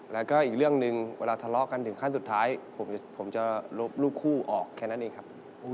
แล้วก็อีกเรื่องหนึ่งเวลาทะเลาะกันถึงขั้นสุดท้ายผมจะลบรูปคู่ออกแค่นั้นเองครับ